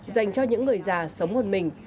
dành cho những người già sống một mình